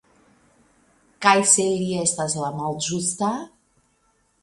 Kaj se li estas la malĝusta?